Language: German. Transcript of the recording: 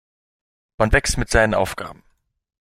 Man wächst mit seinen Aufgaben.